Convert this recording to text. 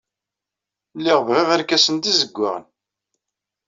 Lliɣ bɣiɣ irkasen d izewwaɣen.